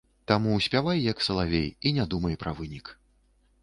Таму спявай, як салавей, і не думай пра вынік.